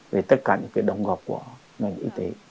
về tất cả những cái đồng góp của ngành y tế